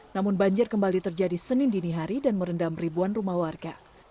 namun banjir kembali terjadi senin dini hari dan merendam ribuan rumah warga